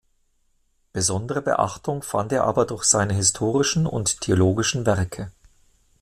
Besondere Beachtung fand er aber durch seine historischen und theologischen Werke.